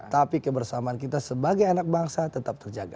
tapi kebersamaan kita sebagai anak bangsa tetap terjaga